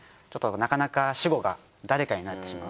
なかなか主語が誰かになってしまう。